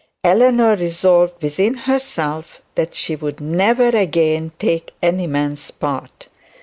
Eleanor resolved within herself that she would never again take any man's part.